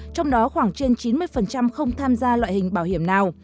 trong đó khoảng trên chín mươi không tham gia loại hình bảo hiểm nào